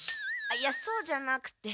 いやそうじゃなくて。